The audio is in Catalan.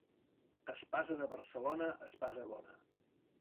Espasa de Barcelona, espasa bona.